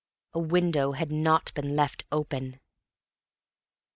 A window had not been left open!